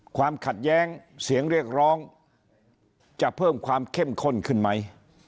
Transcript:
ความขัดแย้งเสียงเรียกร้องจะเพิ่มความเข้มข้นขึ้นไหม